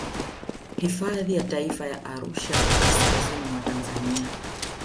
Hifadhi ya taifa ya Arusha kaskazini mwa Tanzania